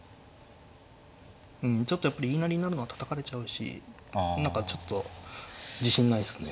ちょっとやっぱり言いなりになるのはたたかれちゃうし何かちょっと自信ないですね。